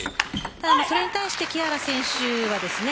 ただ、それに対して木原選手はですね